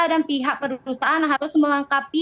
dan pihak perusahaan harus melengkapi